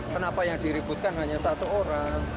kenapa yang diributkan hanya satu orang